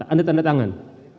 anda tanda tangan